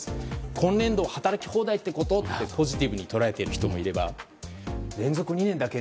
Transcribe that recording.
今年度働き放題ってこと？とポジティブに捉えている人もいれば、連続２年だけ？